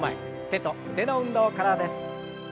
手と腕の運動からです。